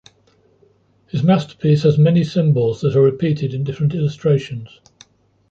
His masterpiece has many symbols that are repeated in different illustrations.